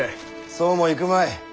そうもいくまい。